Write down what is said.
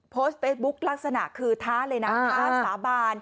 โพสต์เฟซบุ๊คลักษณะคือท้าเลยนะท้าสาบาน